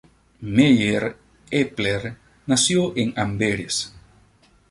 Meyer-Eppler nació en Amberes.